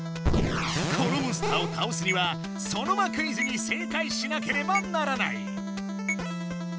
このモンスターをたおすにはソノマクイズに正解しなければならない。